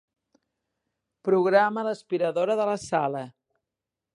Programa l'aspiradora de la sala.